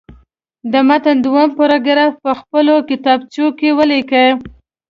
د متن دویم پاراګراف په خپلو کتابچو کې ولیکئ.